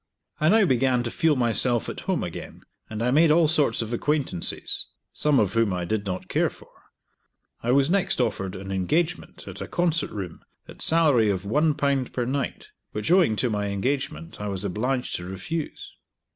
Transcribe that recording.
I now began to feel myself at home again, and I made all sorts of acquaintances, some of whom I did not care for, I was next offered an engagement at a concert room, at a salary of Ł1 per night, which, owing to my engagement, I was obliged to refuse.